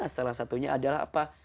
salah satunya adalah apa